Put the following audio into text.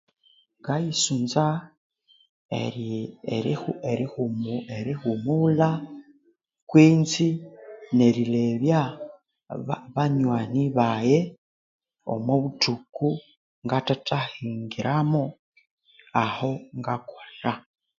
Ngayisunza eri erihu erihu erihumulha kwenzi nerirebya ba bwanyani baghe omobuthuku ngathathahingiramo ahongakolera